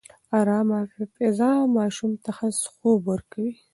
ارامه فضا ماشوم ته ښه خوب ورکوي.